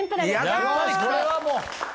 よしこれはもう。